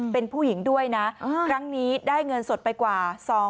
เป็นผู้หญิงด้วยนะ